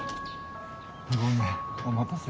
ごめんお待たせ。